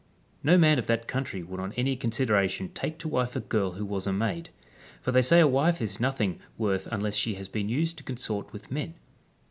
No man of that country would on any consideration take to wife a girl who was a maid ; for they say a wife is nothing worth unless she has been used to consort with men.